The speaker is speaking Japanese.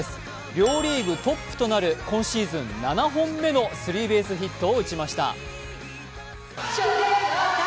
両リーグトップとなる今シーズン７本目のスリーベースヒットを打ちました。